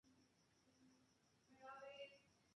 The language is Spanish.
Cienfuegos la acompaña en este largo viaje.